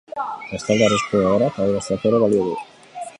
Bestalde, arrisku egoerak adierazteko ere balio du.